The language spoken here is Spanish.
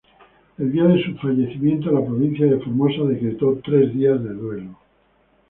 El día de su fallecimiento, la Provincia de Formosa decretó tres días de duelo.